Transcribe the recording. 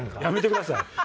やめてください！